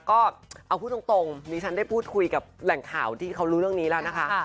ก็เอาพูดตรงดิฉันได้พูดคุยกับแหล่งข่าวที่เขารู้เรื่องนี้แล้วนะคะ